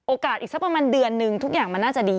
อีกสักประมาณเดือนนึงทุกอย่างมันน่าจะดี